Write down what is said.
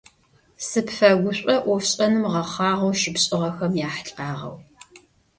Сыпфэгушӏо ӏофшӏэным гъэхъагъэу щыпшӏыгъэхэм яхьылӏагъэу.